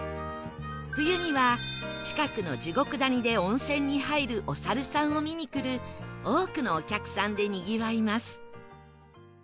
冬には近くの地獄谷で温泉に入るお猿さんを見に来る多くのお客さんでにぎわいます